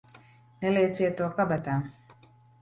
Nelieciet to kabatā!